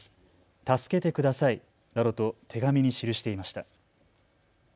助けて下さいなどと手紙に記していました。